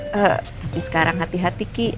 tapi sekarang hati hati ki